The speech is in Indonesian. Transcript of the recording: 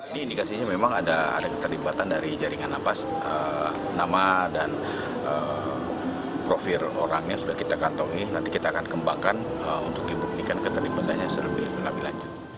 ini indikasinya memang ada keterlibatan dari jaringan nafas nama dan profil orangnya sudah kita kantongi nanti kita akan kembangkan untuk dibuktikan keterlibatannya lebih lanjut